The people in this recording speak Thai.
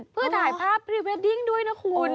เพื่อถ่ายภาพพรีเวดดิ้งด้วยนะคุณ